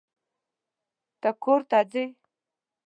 ته کورته ځې؟